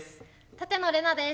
舘野伶奈です。